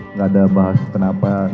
enggak ada bahas kenapa